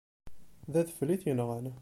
D adfel i t-yenɣan.